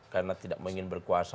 karena tidak ingin berkuasa